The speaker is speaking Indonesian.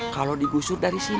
kalau digusur dari sini